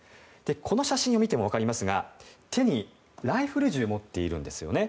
この写真を見ても分かりますが手にライフル銃を持っているんですよね。